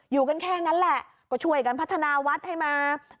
อยู่กันแค่นั้นแหละก็ช่วยกันพัฒนาวัดให้มา